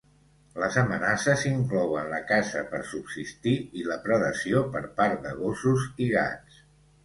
Les amenaces inclouen la caça per subsistir i la predació per part de gossos i gats.